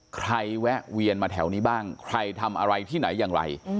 แวะเวียนมาแถวนี้บ้างใครทำอะไรที่ไหนอย่างไร